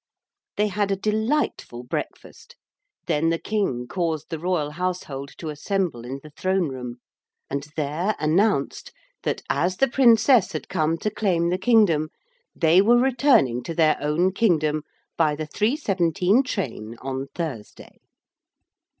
They had a delightful breakfast. Then the King caused the royal household to assemble in the throne room, and there announced that, as the Princess had come to claim the kingdom, they were returning to their own kingdom by the three seventeen train on Thursday.